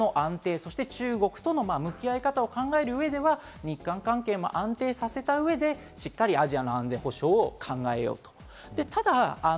だからこそ、アジアの安定、そして中国との向き合い方を考える上では、日韓関係も安定させた上でしっかりアジアの安全保障を考えよう。